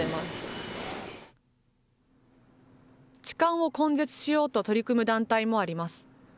痴漢を根絶しようと取り組む団体もあります。